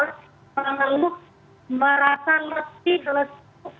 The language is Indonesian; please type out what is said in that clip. kalau ngeluh merasa letih letih